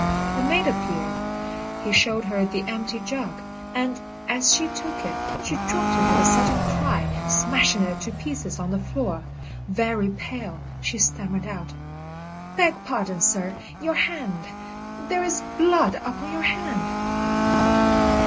The maid appeared, he showed her the empty jug, and as she took it she dropped it with a sudden cry, smashing it to pieces on the floor. Very pale, she stammered out: "Beg pardon, sir, your hand there is blood upon your hand."